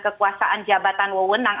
kekuasaan jabatan wewenang